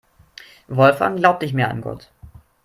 Wolfgang glaubt nicht mehr an Gott.